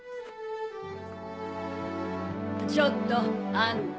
ちょっとあんた。